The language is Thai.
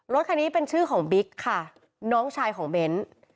รถคันนี้เป็นชื่อของบิ๊กค่ะน้องชายของเบ้น